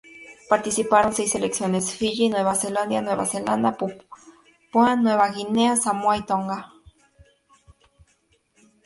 Participaron seis selecciones: Fiyi, Nueva Caledonia, Nueva Zelanda, Papúa Nueva Guinea, Samoa y Tonga.